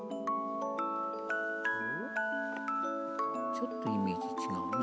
ちょっとイメージ違うな。